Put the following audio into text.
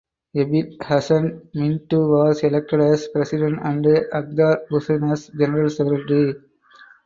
Abid Hassan Minto was elected as president and Akhtar Hussain as general secretary.